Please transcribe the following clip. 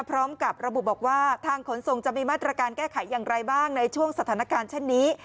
พร้อมกับระบุบอกว่าทางขนส่งจะมีมาตรการแก้ไขอย่างไรบ้างในช่วงสถานการณ์เช่นนี้